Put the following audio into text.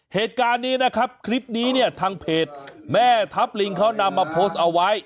เหตุการณ์นี้นะครับคลิปนี้เนี่ยทางเพจแม่ทัพลิงเขานำมาโพสต์เอาไว้